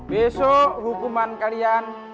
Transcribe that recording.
besok hukuman kalian